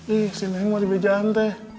ih si neng mau dibejaan teh